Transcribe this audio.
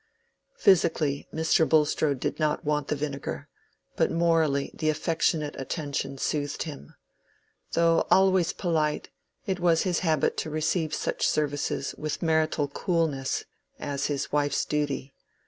Physically Mr. Bulstrode did not want the vinegar, but morally the affectionate attention soothed him. Though always polite, it was his habit to receive such services with marital coolness, as his wife's duty.